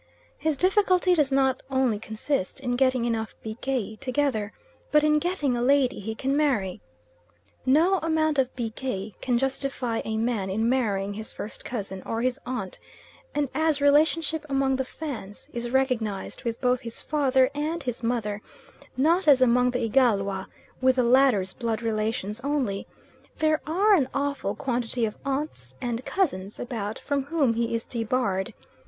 His difficulty does not only consist in getting enough bikei together but in getting a lady he can marry. No amount of bikei can justify a man in marrying his first cousin, or his aunt; and as relationship among the Fans is recognised with both his father and his mother, not as among the Igalwa with the latter's blood relations only, there are an awful quantity of aunts and cousins about from whom he is debarred.